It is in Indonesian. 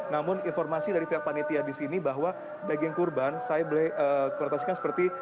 namun informasi dari pihak panitia di sini bahwa daging kurban saya boleh krotasikan seperti